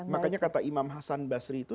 makanya kata imam hasan basri itu